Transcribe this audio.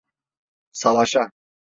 Savaşa!